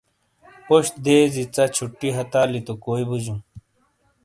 پوش دیزی ژا چھُٹی ہتالی تو کوئی بوجوں۔